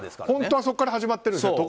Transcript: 本当はそこから始まってるんです。